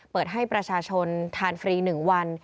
เปิดให้ประชาชนทานฟรี๑วัน